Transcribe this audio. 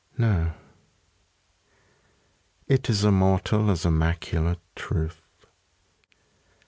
No, It is immortal as immaculate Truth.